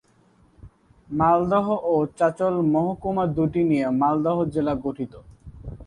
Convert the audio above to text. মালদহ ও চাঁচল মহকুমা দুটি নিয়ে মালদহ জেলা গঠিত।